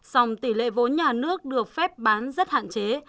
song tỷ lệ vốn nhà nước được phép bán rất hạn chế